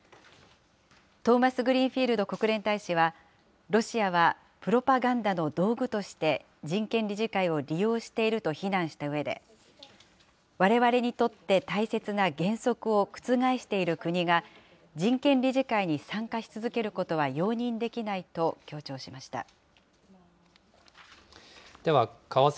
トーマスグリーンフィールド国連大使は、ロシアはプロパガンダの道具として、人権理事会を利用していると非難したうえで、われわれにとって大切な原則を覆している国が、人権理事会に参加し続けることは容認できないと強調しました。